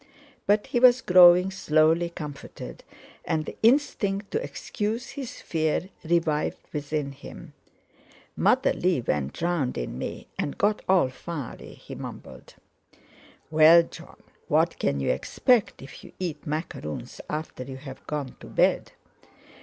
But he was growing slowly comforted; and the instinct to excuse his fear revived within him. "Mother Lee went round in me and got all fiery," he mumbled. "Well, Jon, what can you expect if you eat macaroons after you've gone to bed?"